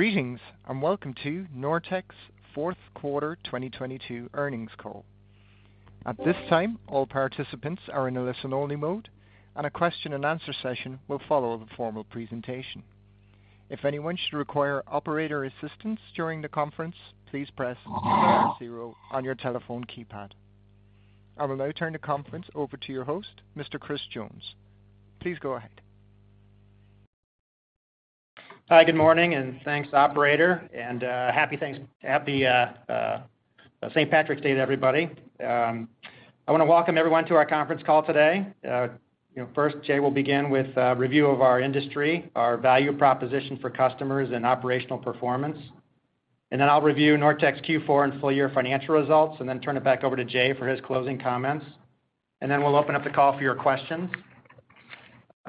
Greetings, welcome to Nortech's Fourth Quarter 2022 Earnings Call. At this time, all participants are in a listen-only mode, and a question-and-answer session will follow the formal presentation. If anyone should require operator assistance during the conference, please press zero on your telephone keypad. I will now turn the conference over to your host, Mr. Chris Jones. Please go ahead. Hi, good morning, and thanks, operator. Happy St. Patrick's Day to everybody. I wanna welcome everyone to our conference call today. You know, first, Jay will begin with a review of our industry, our value proposition for customers and operational performance. I'll review Nortech's Q4 and full year financial results, and then turn it back over to Jay for his closing comments. We'll open up the call for your questions.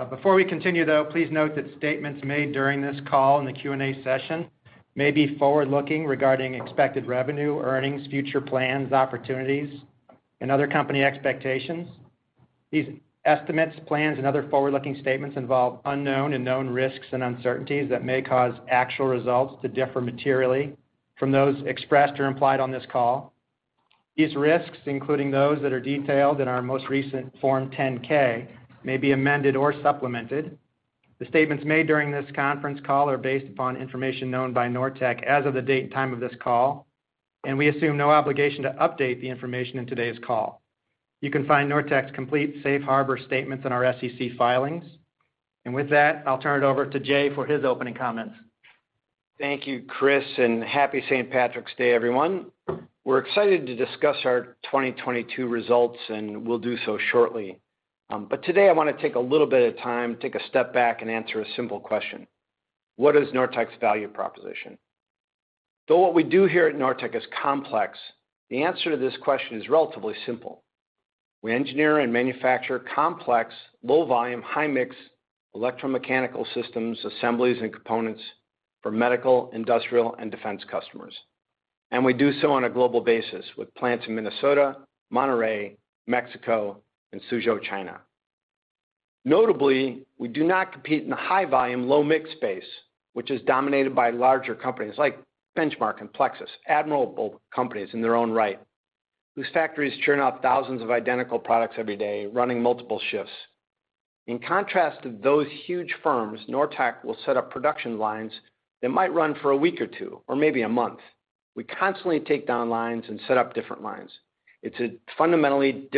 Before we continue, though, please note that statements made during this call and the Q&A session may be forward-looking regarding expected revenue, earnings, future plans, opportunities, and other company expectations. These estimates, plans, and other forward-looking statements involve unknown and known risks and uncertainties that may cause actual results to differ materially from those expressed or implied on this call. These risks, including those that are detailed in our most recent Form 10-K, may be amended or supplemented. The statements made during this conference call are based upon information known by Nortech as of the date and time of this call, and we assume no obligation to update the information in today's call. You can find Nortech's complete safe harbor statements in our SEC filings. With that, I'll turn it over to Jay for his opening comments. Thank you, Chris, and happy St. Patrick's Day, everyone. We're excited to discuss our 2022 results, and we'll do so shortly. Today I wanna take a little bit of time, take a step back, and answer a simple question: What is Nortech's value proposition? Though what we do here at Nortech is complex, the answer to this question is relatively simple. We engineer and manufacture complex low-volume, high-mix electromechanical systems, assemblies, and components for medical, industrial, and defense customers. We do so on a global basis with plants in Minnesota, Monterrey, Mexico, and Suzhou, China. Notably, we do not compete in the high-volume, low-mix space, which is dominated by larger companies like Benchmark and Plexus, admirable companies in their own right, whose factories churn out thousands of identical products every day, running multiple shifts. In contrast to those huge firms, Nortech will set up production lines that might run for a week or two, or maybe a month. We constantly take down lines and set up different lines. It's a fundamentally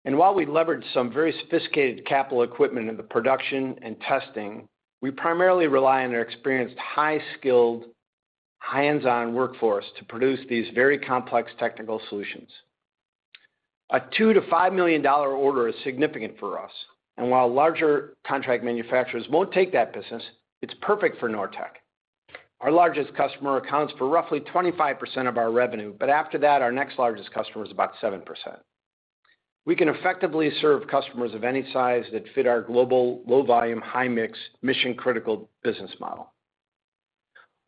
different business. While we leverage some very sophisticated capital equipment in the production and testing, we primarily rely on our experienced, high-skilled, hands-on workforce to produce these very complex technical solutions. A $2 million-$5 million order is significant for us, and while larger contract manufacturers won't take that business, it's perfect for Nortech. Our largest customer accounts for roughly 25% of our revenue, but after that, our next largest customer is about 7%. We can effectively serve customers of any size that fit our global low-volume, high-mix mission-critical business model.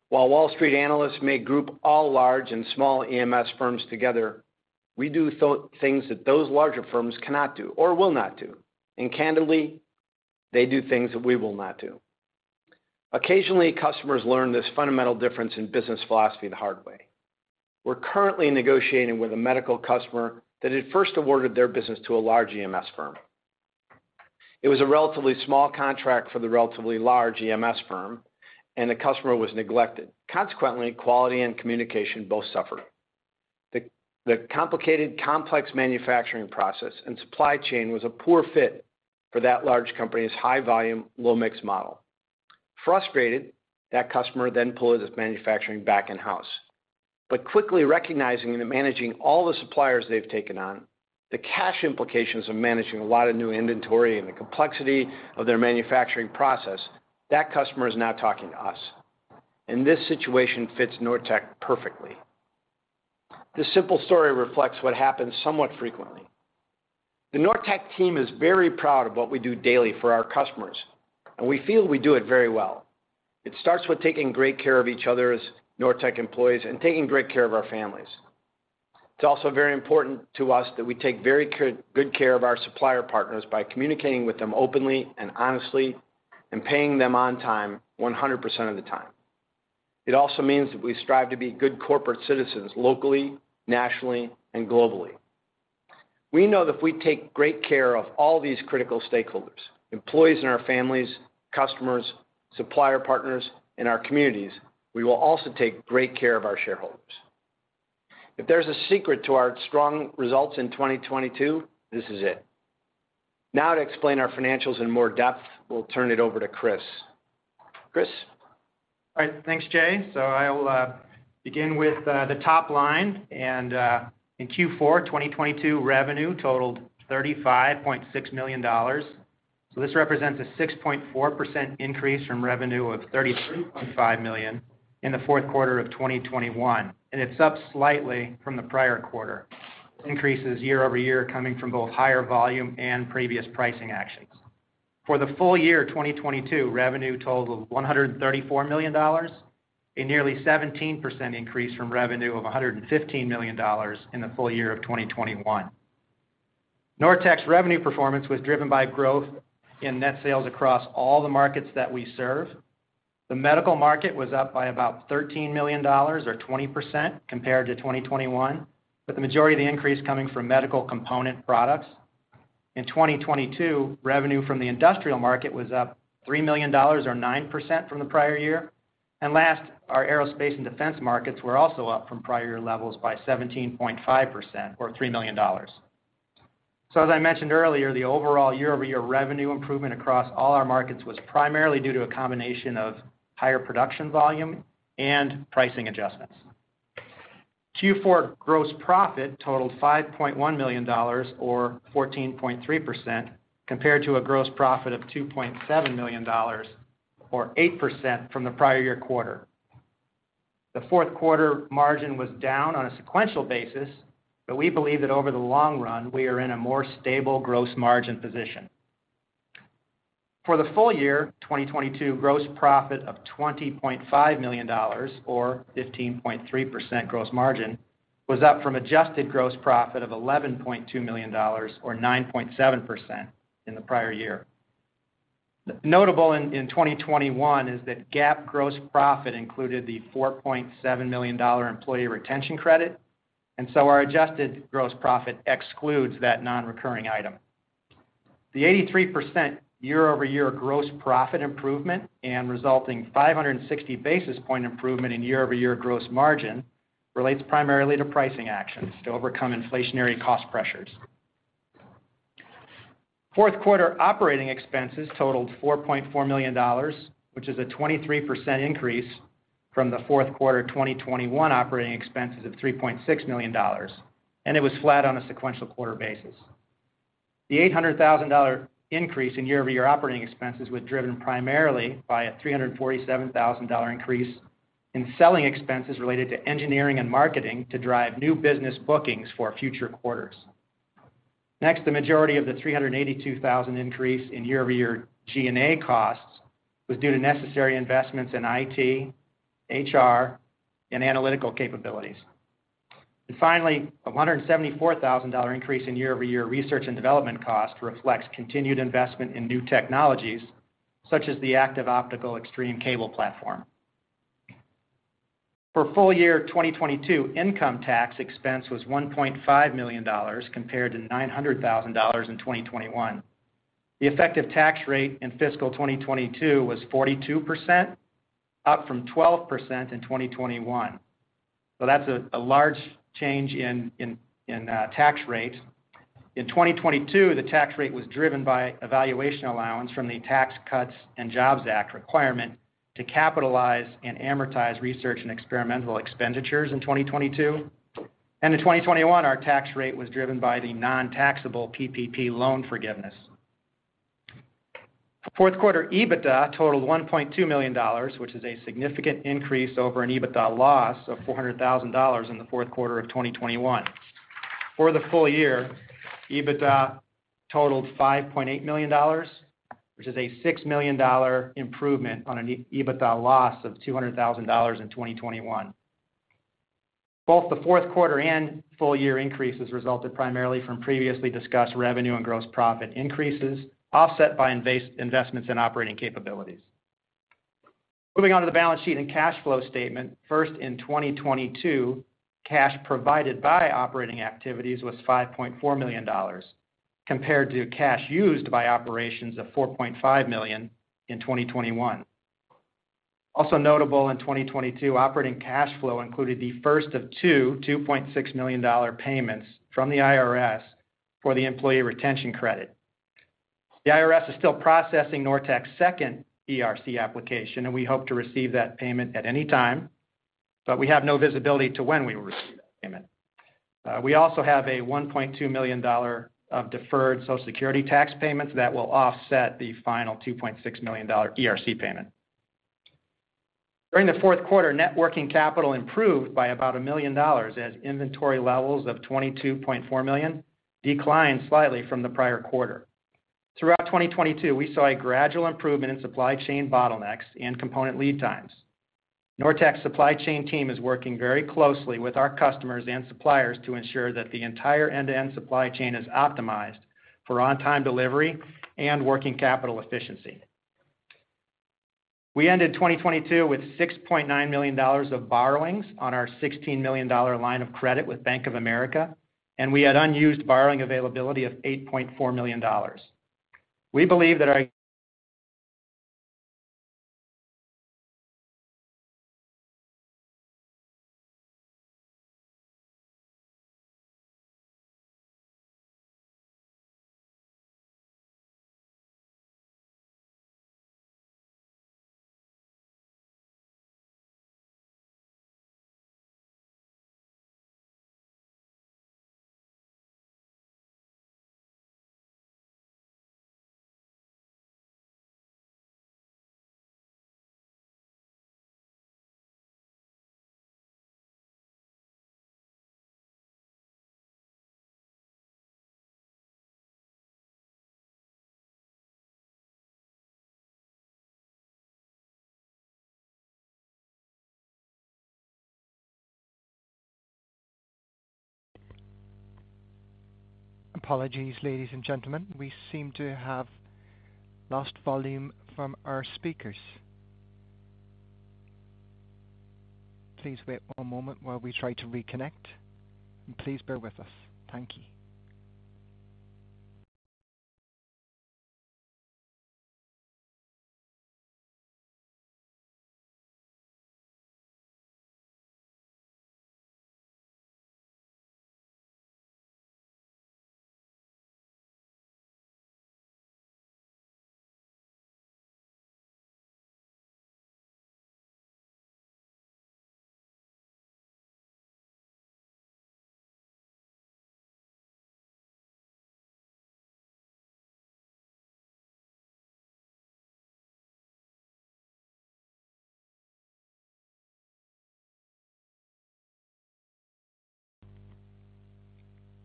While Wall Street analysts may group all large and small EMS firms together, we do things that those larger firms cannot do or will not do. Candidly, they do things that we will not do. Occasionally, customers learn this fundamental difference in business philosophy the hard way. We're currently negotiating with a medical customer that had first awarded their business to a large EMS firm. It was a relatively small contract for the relatively large EMS firm, and the customer was neglected. Consequently, quality and communication both suffered. The complicated, complex manufacturing process and supply chain was a poor fit for that large company's high-volume, low-mix model. Frustrated, that customer then pulled its manufacturing back in-house. Quickly recognizing that managing all the suppliers they've taken on, the cash implications of managing a lot of new inventory, and the complexity of their manufacturing process, that customer is now talking to us, and this situation fits Nortech perfectly. This simple story reflects what happens somewhat frequently. The Nortech team is very proud of what we do daily for our customers, and we feel we do it very well. It starts with taking great care of each other as Nortech employees and taking great care of our families. It's also very important to us that we take very good care of our supplier partners by communicating with them openly and honestly and paying them on time 100% of the time. It also means that we strive to be good corporate citizens locally, nationally, and globally. We know that if we take great care of all these critical stakeholders, employees and our families, customers, supplier partners, and our communities, we will also take great care of our shareholders. If there's a secret to our strong results in 2022, this is it. Now to explain our financials in more depth, we'll turn it over to Chris. Chris? All right. Thanks, Jay. I will begin with the top line. In Q4 2022, revenue totaled $35.6 million. This represents a 6.4% increase from revenue of $33.5 million in the fourth quarter of 2021, and it's up slightly from the prior quarter. Increases year-over-year coming from both higher volume and previous pricing actions. For the full year 2022, revenue totaled $134 million, a nearly 17% increase from revenue of $115 million in the full year of 2021. Nortech's revenue performance was driven by growth in net sales across all the markets that we serve. The Medical market was up by about $13 million or 20% compared to 2021, with the majority of the increase coming from medical component products. In 2022, revenue from the Industrial market was up $3 million or 9% from the prior year. Last, our Aerospace and Defense markets were also up from prior year levels by 17.5% or $3 million. As I mentioned earlier, the overall year-over-year revenue improvement across all our markets was primarily due to a combination of higher production volume and pricing adjustments. Q4 gross profit totaled $5.1 million or 14.3% compared to a gross profit of $2.7 million or 8% from the prior year quarter. The fourth quarter margin was down on a sequential basis, but we believe that over the long run, we are in a more stable gross margin position. For the full year, 2022 gross profit of $20.5 million or 15.3% gross margin was up from adjusted gross profit of $11.2 million or 9.7% in the prior year. Notable in 2021 is that GAAP gross profit included the $4.7 million Employee Retention Credit. Our adjusted gross profit excludes that non-recurring item. The 83% year-over-year gross profit improvement and resulting 560 basis point improvement in year-over-year gross margin relates primarily to pricing actions to overcome inflationary cost pressures. Fourth quarter operating expenses totaled $4.4 million, which is a 23% increase from the fourth quarter of 2021 operating expenses of $3.6 million. It was flat on a sequential quarter basis. The $800,000 increase in year-over-year operating expenses was driven primarily by a $347,000 increase in selling expenses related to engineering and marketing to drive new business bookings for future quarters. Next, the majority of the $382,000 increase in year-over-year G&A costs was due to necessary investments in IT, HR, and analytical capabilities. Finally, a $174,000 increase in year-over-year research and development cost reflects continued investment in new technologies such as the Active Optical Xtreme cable platform. For full year 2022, income tax expense was $1.5 million compared to $900,000 in 2021. The effective tax rate in fiscal 2022 was 42%, up from 12% in 2021. That's a large change in tax rate. In 2022, the tax rate was driven by a valuation allowance from the Tax Cuts and Jobs Act requirement to capitalize and amortize research and experimental expenditures in 2022. In 2021, our tax rate was driven by the non-taxable PPP loan forgiveness. Fourth quarter EBITDA totaled $1.2 million, which is a significant increase over an EBITDA loss of $400,000 in the fourth quarter of 2021. For the full year, EBITDA totaled $5.8 million, which is a $6 million improvement on an EBITDA loss of $200,000 in 2021. Both the fourth quarter and full-year increases resulted primarily from previously discussed revenue and gross profit increases, offset by investments in operating capabilities. Moving on to the balance sheet and cash flow statement. First, in 2022, cash provided by operating activities was $5.4 million, compared to cash used by operations of $4.5 million in 2021. Also notable in 2022, operating cash flow included the first of two, $2.6 million payments from the IRS for the Employee Retention Credit. The IRS is still processing Nortech's second ERC application, and we hope to receive that payment at any time, but we have no visibility to when we will receive that payment. We also have a $1.2 million of deferred Social Security tax payments that will offset the final $2.6 million ERC payment. During the fourth quarter, net working capital improved by about $1 million as inventory levels of $22.4 million declined slightly from the prior quarter. Throughout 2022, we saw a gradual improvement in supply chain bottlenecks and component lead times. Nortech's supply chain team is working very closely with our customers and suppliers to ensure that the entire end-to-end supply chain is optimized for on-time delivery and working capital efficiency. We ended 2022 with $6.9 million of borrowings on our $16 million line of credit with Bank of America, and we had unused borrowing availability of $8.4 million. We believe that our Apologies, ladies and gentlemen. We seem to have lost volume from our speakers. Please wait one moment while we try to reconnect, and please bear with us.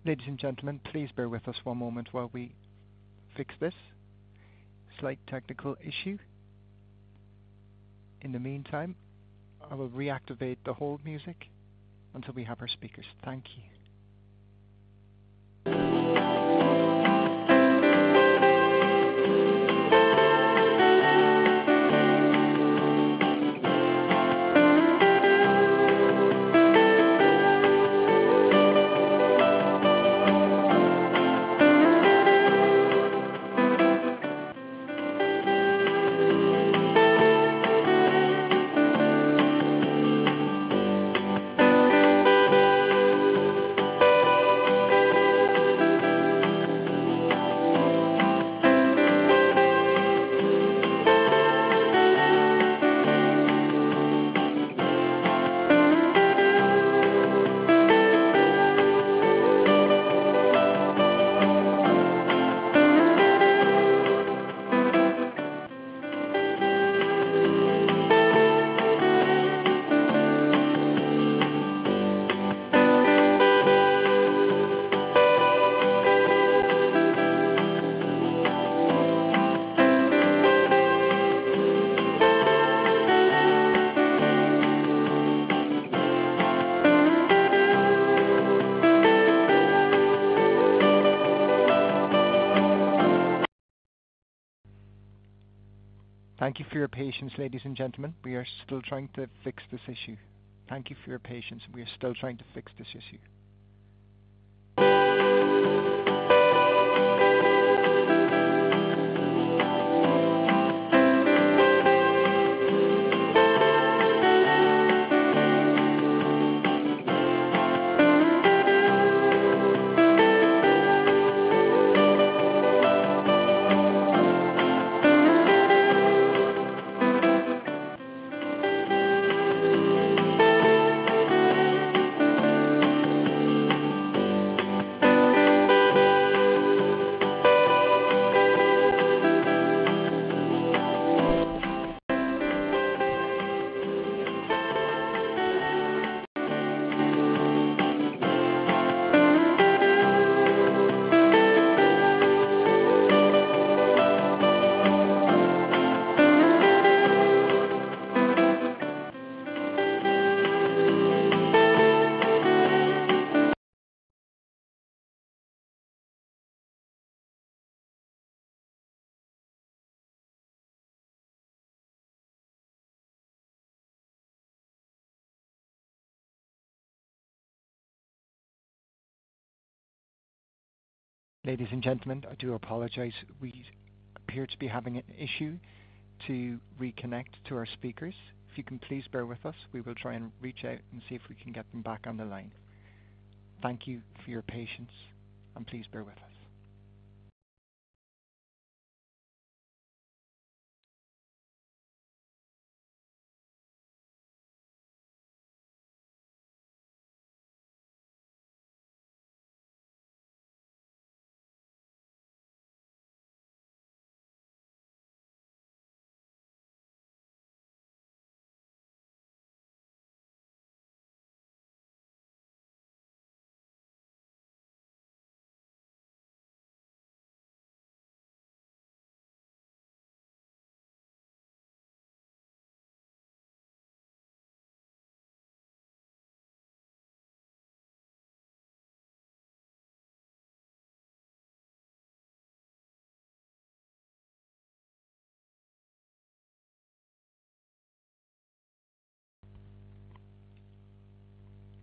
Thank you. Thank you for your patience, ladies and gentlemen. We are still trying to fix this issue. Thank you for your patience. We are still trying to fix this issue. Ladies and gentlemen, I do apologize. We appear to be having an issue to reconnect to our speakers. If you can please bear with us, we will try and reach out and see if we can get them back on the line. Thank you for your patience, and please bear with us.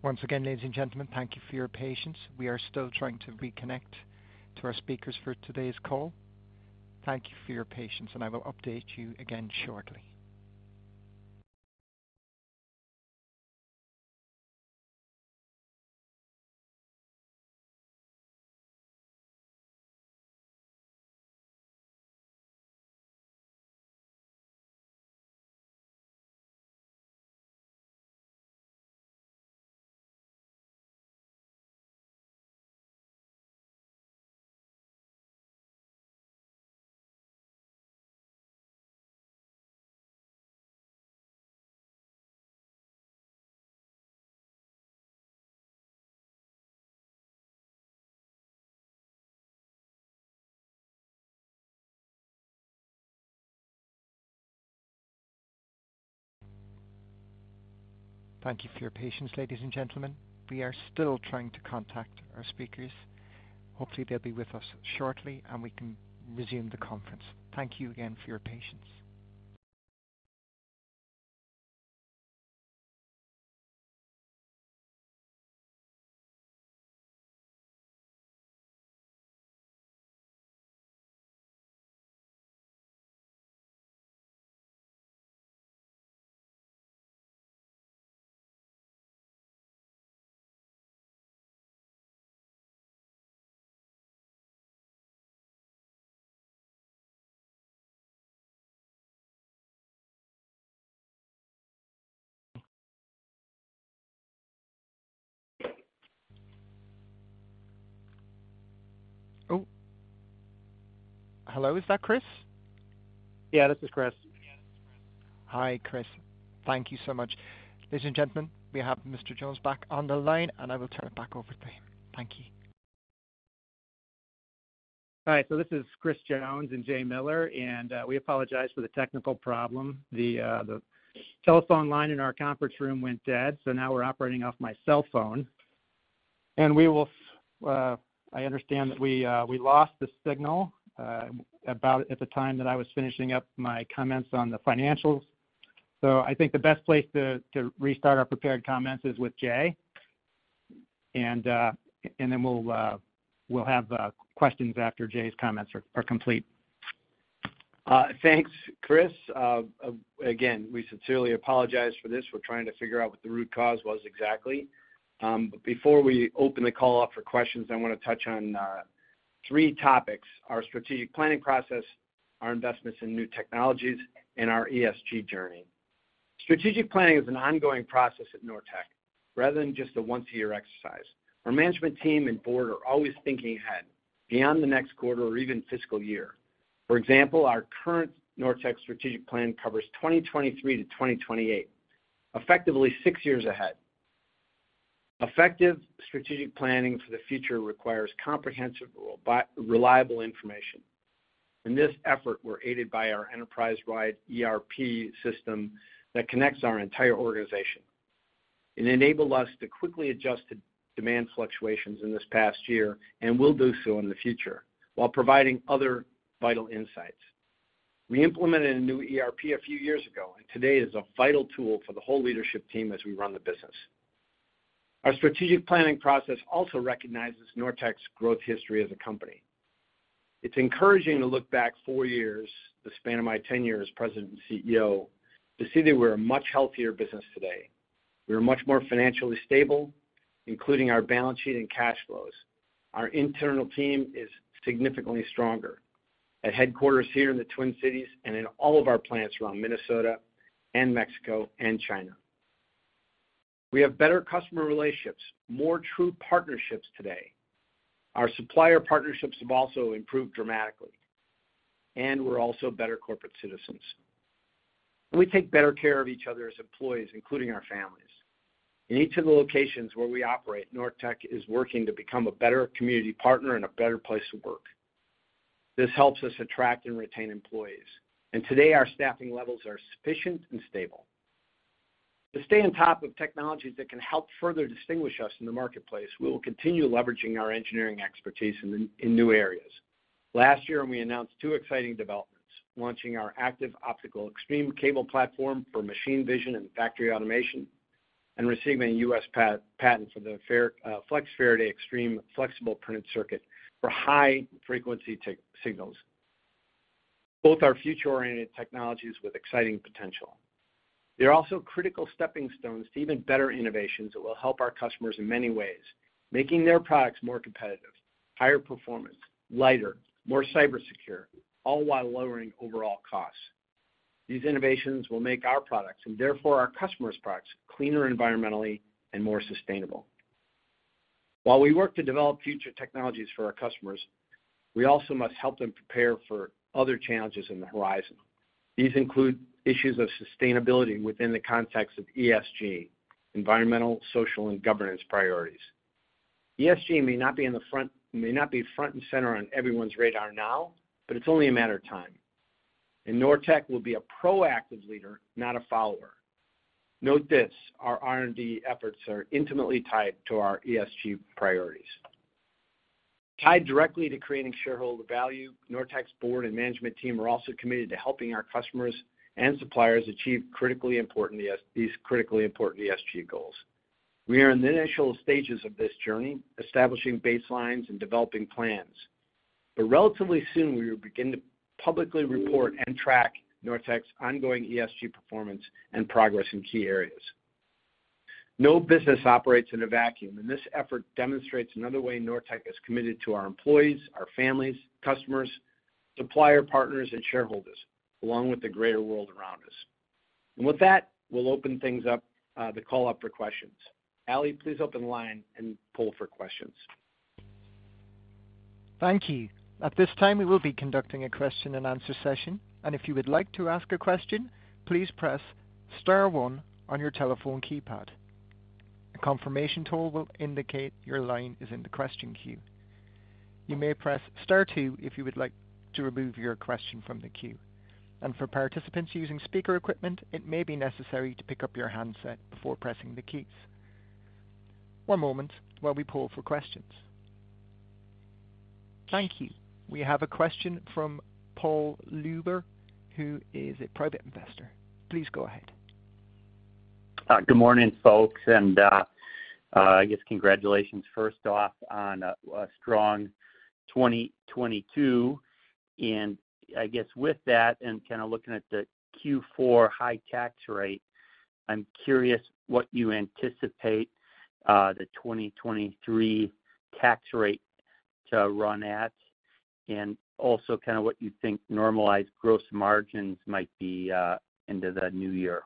Once again, ladies and gentlemen, thank you for your patience. We are still trying to reconnect to our speakers for today's call. Thank you for your patience, and I will update you again shortly. Thank you for your patience, ladies and gentlemen. We are still trying to contact our speakers. Hopefully, they'll be with us shortly, and we can resume the conference. Thank you again for your patience. Oh, hello. Is that Chris? Yeah, this is Chris. Hi, Chris. Thank you so much. Ladies and gentlemen, we have Mr. Jones back on the line. I will turn it back over to him. Thank you. All right, this is Chris Jones and Jay Miller, we apologize for the technical problem. The telephone line in our conference room went dead, now we're operating off my cell phone. I understand that we lost the signal about at the time that I was finishing up my comments on the financials. I think the best place to restart our prepared comments is with Jay and then we'll have questions after Jay's comments are complete. Thanks, Chris. Again, we sincerely apologize for this. We're trying to figure out what the root cause was exactly. Before we open the call up for questions, I wanna touch on three topics: our strategic planning process, our investments in new technologies, and our ESG journey. Strategic planning is an ongoing process at Nortech rather than just a once-a-year exercise. Our management team and board are always thinking ahead, beyond the next quarter or even fiscal year. For example, our current Nortech strategic plan covers 2023-2028, effectively six years ahead. Effective strategic planning for the future requires comprehensive reliable information. In this effort, we're aided by our enterprise-wide ERP system that connects our entire organization. It enabled us to quickly adjust to demand fluctuations in this past year and will do so in the future while providing other vital insights. We implemented a new ERP a few years ago. Today is a vital tool for the whole leadership team as we run the business. Our strategic planning process also recognizes Nortech's growth history as a company. It's encouraging to look back four years, the span of my tenure as president and CEO, to see that we're a much healthier business today. We are much more financially stable, including our balance sheet and cash flows. Our internal team is significantly stronger at headquarters here in the Twin Cities and in all of our plants around Minnesota and Mexico and China. We have better customer relationships, more true partnerships today. Our supplier partnerships have also improved dramatically. We're also better corporate citizens. We take better care of each other as employees, including our families. In each of the locations where we operate, Nortech is working to become a better community partner and a better place to work. This helps us attract and retain employees, and today our staffing levels are sufficient and stable. To stay on top of technologies that can help further distinguish us in the marketplace, we will continue leveraging our engineering expertise in new areas. Last year, we announced two exciting developments, launching our Active Optical Xtreme Cable platform for machine vision and factory automation, and receiving a U.S. patent for the Flex Faraday Xtreme flexible printed circuit for high frequency signals. Both are future-oriented technologies with exciting potential. They're also critical stepping stones to even better innovations that will help our customers in many ways, making their products more competitive, higher performance, lighter, more cyber secure, all while lowering overall costs. These innovations will make our products, and therefore our customers' products, cleaner environmentally and more sustainable. We work to develop future technologies for our customers, we also must help them prepare for other challenges on the horizon. These include issues of sustainability within the context of ESG, environmental, social, and governance priorities. ESG may not be front and center on everyone's radar now, it's only a matter of time, Nortech will be a proactive leader, not a follower. Note this, our R&D efforts are intimately tied to our ESG priorities. Tied directly to creating shareholder value, Nortech's board and management team are also committed to helping our customers and suppliers achieve these critically important ESG goals. We are in the initial stages of this journey, establishing baselines and developing plans. Relatively soon, we will begin to publicly report and track Nortech's ongoing ESG performance and progress in key areas. No business operates in a vacuum, this effort demonstrates another way Nortech is committed to our employees, our families, customers, supplier partners, and shareholders, along with the greater world around us. With that, we'll open things up, the call up for questions. Ali, please open the line and poll for questions. Thank you. At this time, we will be conducting a question and answer session. If you would like to ask a question, please press star one on your telephone keypad. A confirmation tool will indicate your line is in the question queue. You may press star two if you would like to remove your question from the queue. For participants using speaker equipment, it may be necessary to pick up your handset before pressing the keys. One moment while we pull for questions. Thank you. We have a question from Paul Luber, who is a Private Investor. Please go ahead. Good morning, folks. I guess congratulations first off on a strong 2022. I guess with that and kind of looking at the Q4 high tax rate, I'm curious what you anticipate the 2023 tax rate to run at and also kind of what you think normalized gross margins might be into the new year.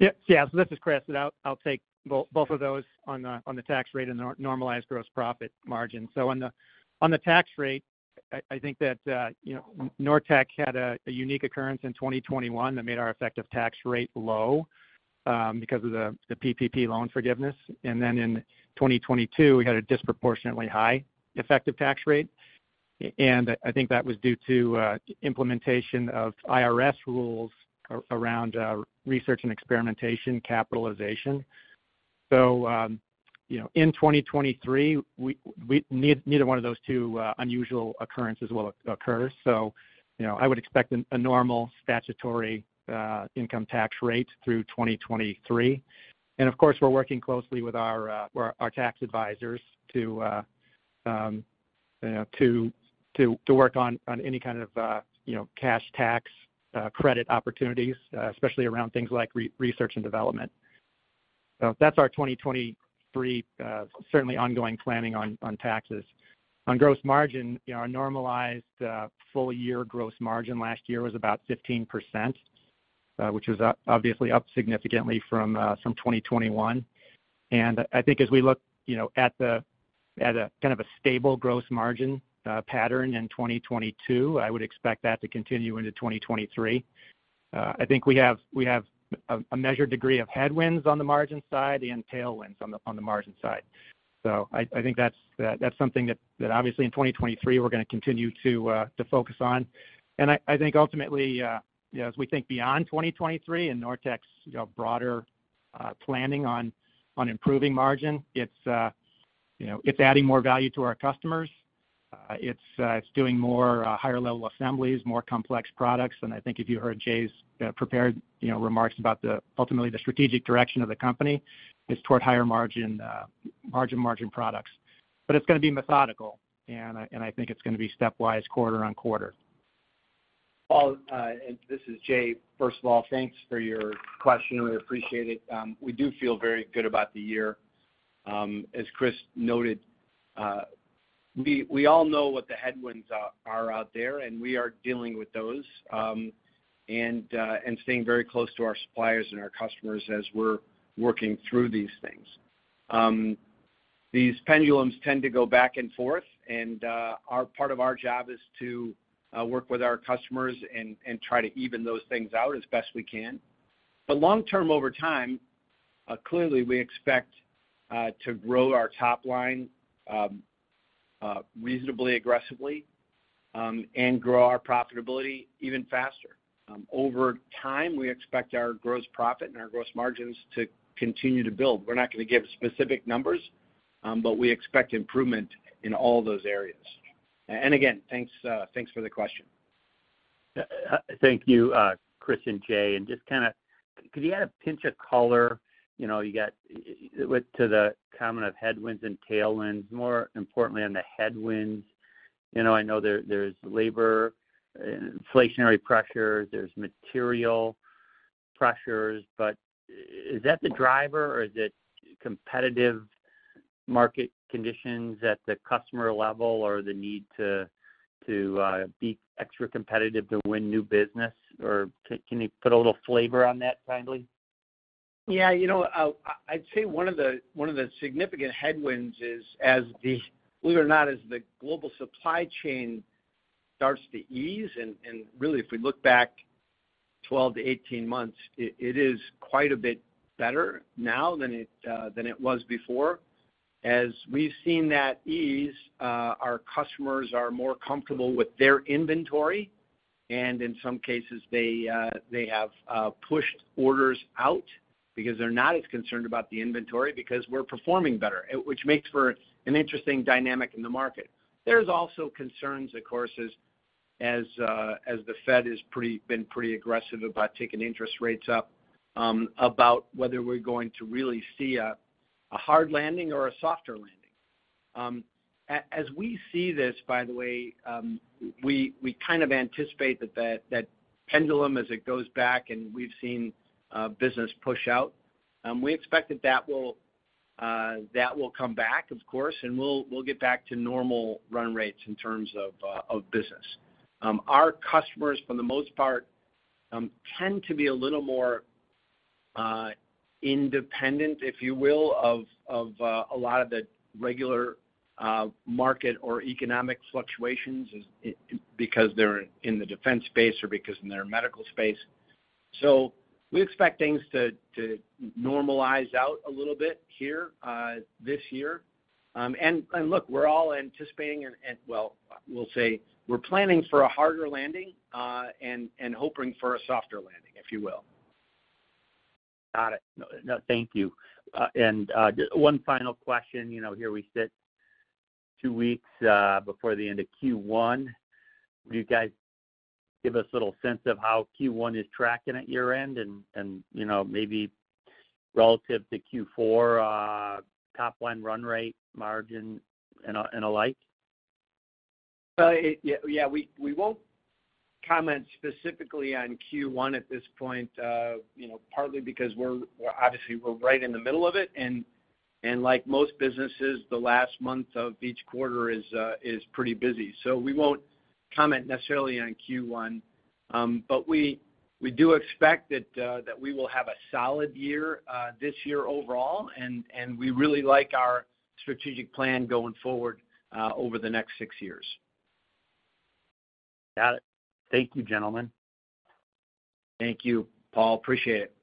Yep. Yeah. This is Chris. I'll take both of those on the tax rate and normalized gross profit margin. On the tax rate, I think that, you know, Nortech had a unique occurrence in 2021 that made our effective tax rate low because of the PPP loan forgiveness. In 2022, we had a disproportionately high effective tax rate. I think that was due to implementation of IRS rules around research and experimentation capitalization. You know, in 2023, we neither one of those two unusual occurrences will occur. You know, I would expect a normal statutory income tax rate through 2023. Of course, we're working closely with our tax advisors to, you know, to work on any kind of, you know, cash tax credit opportunities, especially around things like research and development. That's our 2023, certainly ongoing planning on taxes. On gross margin, you know, our normalized full year gross margin last year was about 15%, which was obviously up significantly from 2021. I think as we look, you know, at a kind of a stable gross margin pattern in 2022, I would expect that to continue into 2023. I think we have a measured degree of headwinds on the margin side and tailwinds on the margin side. I think that's something that obviously in 2023 we're gonna continue to focus on. I think ultimately, you know, as we think beyond 2023 and Nortech's, you know, broader planning on improving margin, it's, you know, it's adding more value to our customers. It's, it's doing more, higher level assemblies, more complex products. I think if you heard Jay's prepared, you know, remarks about the ultimately the strategic direction of the company is toward higher margin products. It's gonna be methodical, and I, and I think it's gonna be stepwise quarter on quarter. Paul, and this is Jay. First of all, thanks for your question. We appreciate it. We do feel very good about the year. As Chris noted, we all know what the headwinds are out there, and we are dealing with those, and staying very close to our suppliers and our customers as we're working through these things. These pendulums tend to go back and forth, and part of our job is to work with our customers and try to even those things out as best we can. Long-term over time, clearly we expect to grow our top line, reasonably aggressively, and grow our profitability even faster. Over time, we expect our gross profit and our gross margins to continue to build. We're not gonna give specific numbers, but we expect improvement in all those areas. Again, thanks for the question. Yeah. Thank you, Chris and Jay. Just kind of could you add a pinch of color? You know, you got with to the comment of headwinds and tailwinds, more importantly on the headwinds. You know, I know there's labor, inflationary pressure, there's material pressures. Is that the driver or is it competitive market conditions at the customer level or the need to be extra competitive to win new business or can you put a little flavor on that kindly? Yeah. You know, I'd say one of the, one of the significant headwinds is believe it or not, as the global supply chain starts to ease, and really if we look back 12, 18 months, it is quite a bit better now than it was before. As we've seen that ease, our customers are more comfortable with their inventory, and in some cases they have pushed orders out because they're not as concerned about the inventory because we're performing better, which makes for an interesting dynamic in the market. There's also concerns of course as the Fed has been pretty aggressive about taking interest rates up, about whether we're going to really see a hard landing or a softer landing. As we see this, by the way, we kind of anticipate that pendulum as it goes back and we've seen business push out, we expect that will come back of course, and we'll get back to normal run rates in terms of business. Our customers for the most part, tend to be a little more independent, if you will, of a lot of the regular market or economic fluctuations because they're in the defense space or because they're in medical space. We expect things to normalize out a little bit here this year. Look, we're all anticipating and, well, we'll say we're planning for a harder landing, and hoping for a softer landing, if you will. Got it. No, thank you. One final question. You know, here we sit two weeks before the end of Q1. Will you guys give us a little sense of how Q1 is tracking at your end and, you know, maybe relative to Q4, top-line run rate, margin and alike? Well, yeah, we won't comment specifically on Q1 at this point, you know, partly because obviously we're right in the middle of it. Like most businesses, the last month of each quarter is pretty busy. We won't comment necessarily on Q1. We do expect that we will have a solid year this year overall, and we really like our strategic plan going forward over the next six years. Got it. Thank you, gentlemen. Thank you, Paul. Appreciate it.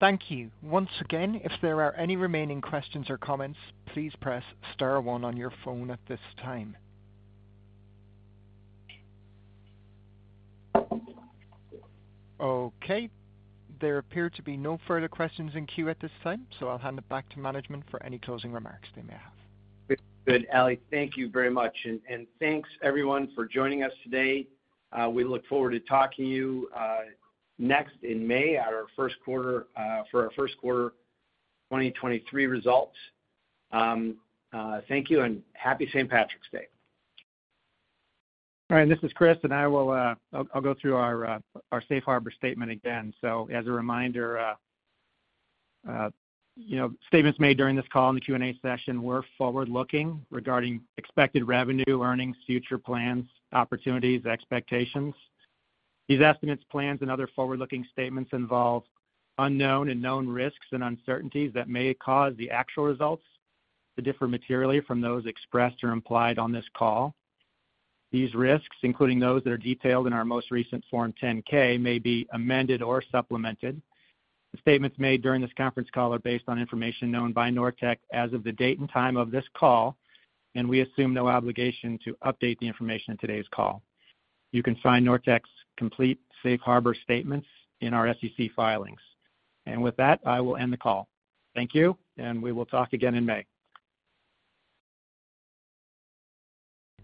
Thank you. Once again, if there are any remaining questions or comments, please press star one on your phone at this time. There appear to be no further questions in queue at this time, so I'll hand it back to management for any closing remarks they may have. Good. Ali, thank you very much. Thanks, everyone, for joining us today. We look forward to talking to you next in May for our first quarter 2023 results. Thank you and happy St. Patrick's Day. This is Chris and I'll go through our safe harbor statement again. As a reminder, you know, statements made during this call in the Q&A session were forward-looking regarding expected revenue, earnings, future plans, opportunities, expectations. These estimates, plans and other forward-looking statements involve unknown and known risks and uncertainties that may cause the actual results to differ materially from those expressed or implied on this call. These risks, including those that are detailed in our most recent Form 10-K, may be amended or supplemented. The statements made during this conference call are based on information known by Nortech as of the date and time of this call. We assume no obligation to update the information in today's call. You can find Nortech's complete safe harbor statements in our SEC filings. With that, I will end the call. Thank you, and we will talk again in May.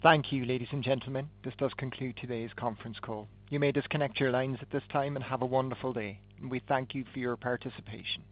Thank you, ladies and gentlemen. This does conclude today's conference call. You may disconnect your lines at this time and have a wonderful day. We thank you for your participation.